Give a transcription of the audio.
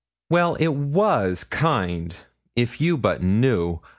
'Well, it was kind, if you but knew.